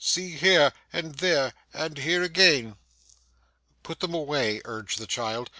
See here and there and here again.' 'Put them away,' urged the child.